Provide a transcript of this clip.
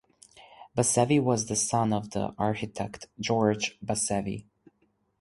Basevi was the son of the architect George Basevi.